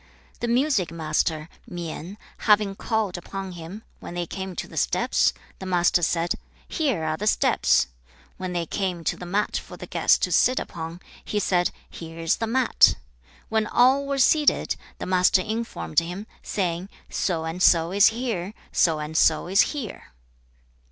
The Music master, Mien, having called upon him, when they came to the steps, the Master said, 'Here are the steps.' When they came to the mat for the guest to sit upon, he 皆坐/子告之曰/某在斯/某在斯.[二節]師冕出/子張問曰/與師言之 道與.[三節]子曰/然/固相師之道也. said, 'Here is the mat.' When all were seated, the Master informed him, saying, 'So and so is here; so and so is here.'